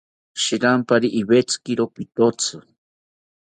Shiranpari iwetzikiro pitotzi